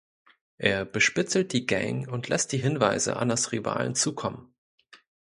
Er bespitzelt die Gang und lässt die Hinweise Annas Rivalen zukommen.